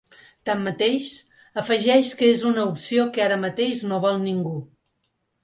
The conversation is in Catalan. Tanmateix, afegeix que és una opció que ara mateix no vol ningú.